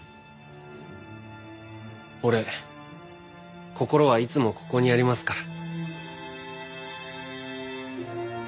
俺心はいつもここにありますから。